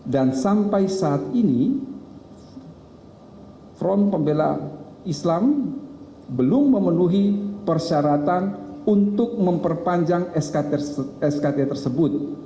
dan sampai saat ini front pembela islam belum memenuhi persyaratan untuk memperpanjang skt tersebut